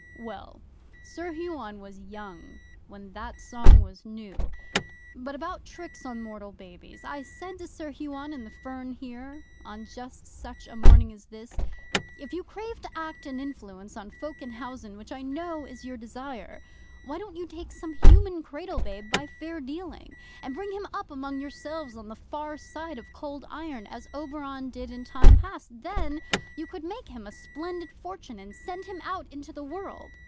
'Well, Sir Huon was young when that song was new. But about tricks on mortal babies. I said to Sir Huon in the fern here, on just such a morning as this: "If you crave to act and influence on folk in housen, which I know is your desire, why don't you take some human cradle babe by fair dealing, and bring him up among yourselves on the far side of Cold Iron as Oberon did in time past? Then you could make him a splendid fortune, and send him out into the world."